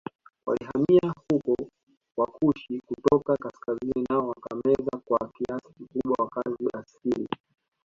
Walihamia huko Wakushi kutoka kaskazini nao wakameza kwa kiasi kikubwa wakazi asili